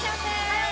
はい！